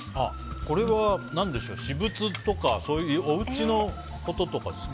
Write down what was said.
これは、私物とかおうちのこととかですか？